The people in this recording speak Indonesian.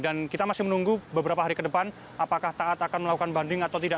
dan kita masih menunggu beberapa hari ke depan apakah taat akan melakukan banding atau tidak